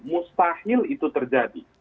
mustahil itu terjadi